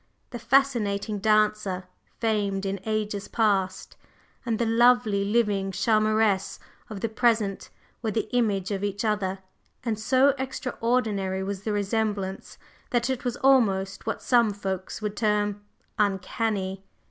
The fascinating dancer, famed in ages past, and the lovely, living charmeresse of the present were the image of each other, and so extraordinary was the resemblance that it was almost what some folks would term "uncanny."